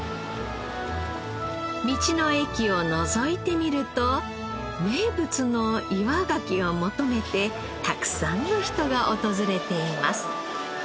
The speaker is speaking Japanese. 道の駅をのぞいてみると名物の岩ガキを求めてたくさんの人が訪れています。